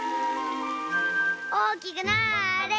おおきくなれ！